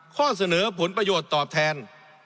ข้อเสนอผลประโยชน์ตอบแทน